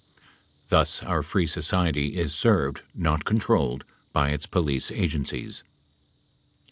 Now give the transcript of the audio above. Thus our free society is served, not controlled, by its police agencies.